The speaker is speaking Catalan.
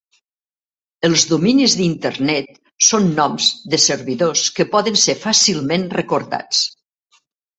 Els dominis d'Internet són noms de servidors que poden ser fàcilment recordats.